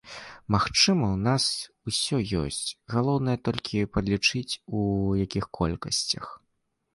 Магчыма, у нас усё ёсць, галоўнае толькі падлічыць, у якіх колькасцях.